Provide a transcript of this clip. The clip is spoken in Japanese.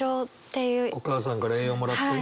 お母さんから栄養もらってね。